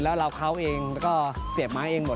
แล้วเราเคาะเองแล้วก็เสียบม้าเองหมด